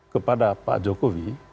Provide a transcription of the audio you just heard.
kepada pak jokowi